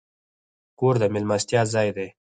کور د میلمستیا ځای دی.